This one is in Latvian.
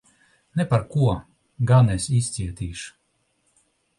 Ne par ko! Gan es izcietīšu.